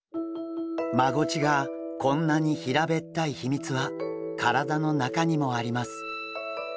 マゴチがこんなに平べったい秘密は体の中にもあります。